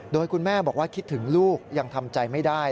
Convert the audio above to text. โดยคุณแม่บอกว่าคิดถึงลูกยังทำใจไม่ได้